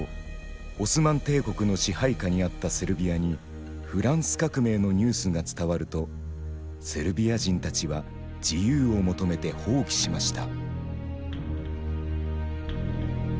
オスマン帝国の支配下にあったセルビアにフランス革命のニュースが伝わるとセルビア人たちは自由を求めて蜂起しました。